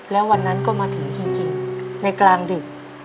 แล้ววันนั้นก็มาถึงจริงในกลางดึก